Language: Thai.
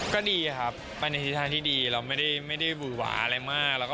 ก็ดีครับที่สิทธิธารที่ดีเราไม่ได้หว่าอะไรมาก